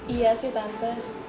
iya sih tante